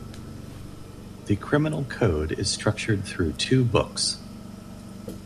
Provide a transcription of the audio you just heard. The Criminal Code is structured through two books.